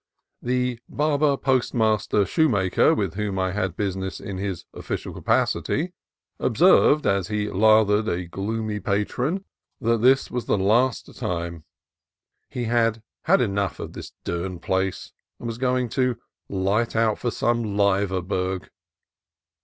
The barber postmaster shoe maker, with whom I had business in his official ca pacity, observed as he lathered a gloomy patron that this was the last time: he had "had enough of this derned place," and was going to "light out for some liver burg."